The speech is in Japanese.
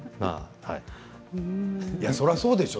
それはそうでしょう。